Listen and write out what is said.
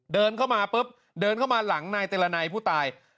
เดินเข้ามาปุ๊บเดินเข้ามาหลังนายเตรนัยผู้ตาย